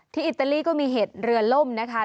อิตาลีก็มีเหตุเรือล่มนะคะ